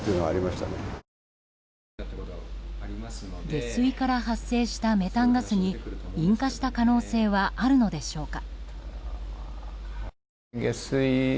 下水から発生したメタンガスに引火した可能性はあるのでしょうか。